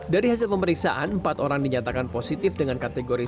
dari hasil pemeriksaan empat orang dinyatakan positif dengan kategori